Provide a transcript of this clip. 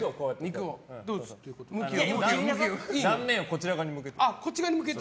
断面をこちら側に向けて。